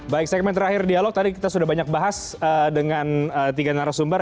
baik segmen terakhir dialog tadi kita sudah banyak bahas dengan tiga narasumber